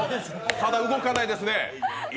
ただ動かないですね。